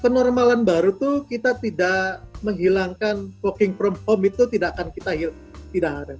kenormalan baru itu kita tidak menghilangkan walking from home itu tidak akan kita hilangkan